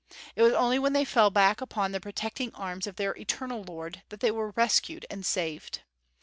It was only when they fell back upon the protecting arms of their Eternal Lord that they were rescued and saved.